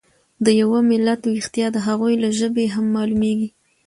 د یو ملت ويښتیا د هغوی له ژبې هم مالومیږي.